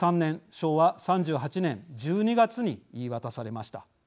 昭和３８年１２月に言い渡されました。